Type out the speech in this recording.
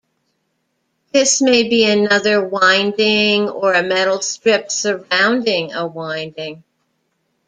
This may be another winding or a metal strip surrounding a winding.